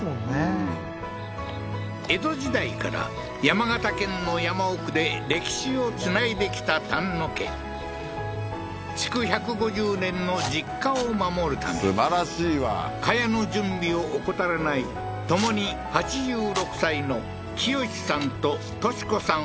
うん江戸時代から山形県の山奥で歴史をつないできた丹野家築１５０年の実家を守るため茅の準備を怠らないともに８６歳の清司さんとトシ子さん